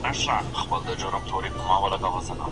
د بهرنیو مرستو په ویش کي انفرادي حقونه نه پام کیږي.